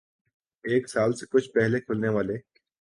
ایک سال سے کچھ پہلے کھلنے والے